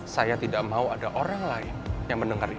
saya tidak mau ada orang lain yang mendengar itu